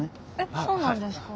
そうなんですか？